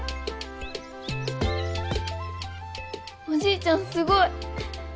おじいちゃんすごい。